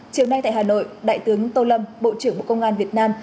chiều nay tại hà nội đại tướng tô lâm bộ trưởng bộ công an việt nam